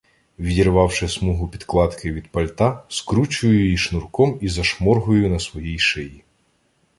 Відірвавши смугу підкладки від пальта, скручую її шнурком і зашморгую на своїй шиї.